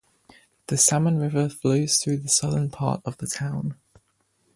The Salmon River flows across the southern part of the town.